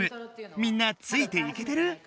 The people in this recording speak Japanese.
みんなついていけてる？